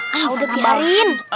nah aku udah tambahin